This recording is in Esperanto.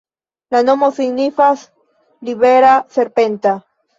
La nomo signifas libera-serpenta.